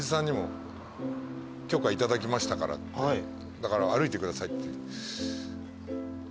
だから歩いてくださいって。